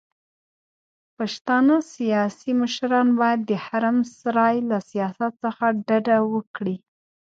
پښتانه سياسي مشران بايد د حرم سرای له سياست څخه ډډه وکړي.